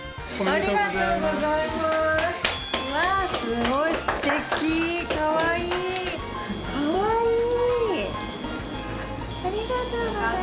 ありがとうございます。